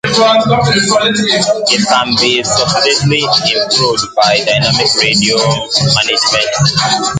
It can be substantially improved by dynamic radio resource management.